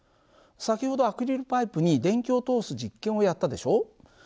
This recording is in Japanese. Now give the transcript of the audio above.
先ほどアクリルパイプに電球を通す実験をやったでしょ。